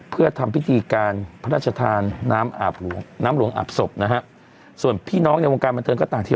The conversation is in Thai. เพื่อทำพิธีการพระราชทานน้ำอาบหลวงน้ำหลวงอาบศพนะฮะส่วนพี่น้องในวงการบันเทิงก็ต่างที่